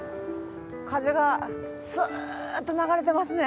風がスーッと流れてますね。